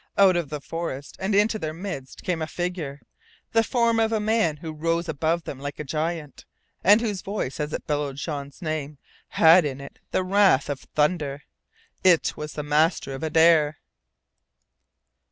Out of the forest and into their midst came a figure the form of a man who rose above them like a giant, and whose voice as it bellowed Jean's name had in it the wrath of thunder. It was the master of Adare!